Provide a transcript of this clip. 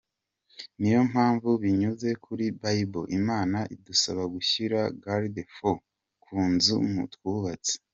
Niyo mpamvu binyuze kuli Bible, imana idusaba gushyira Garde-fous ku nzu twubatse.